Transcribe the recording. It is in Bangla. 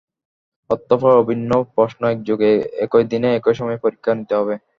অতঃপর অভিন্ন প্রশ্নে একযোগে একই দিনে একই সময়ে পরীক্ষা নিতে হবে।